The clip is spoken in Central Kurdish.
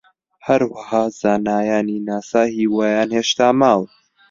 هەروەها زانایانی ناسا هیوایان هێشتا ماوە